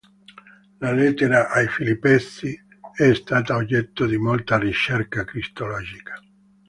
La Lettera ai Filippesi è stata oggetto di molta ricerca cristologica.